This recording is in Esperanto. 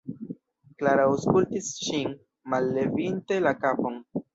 Klaro aŭskultis ŝin, mallevinte la kapon.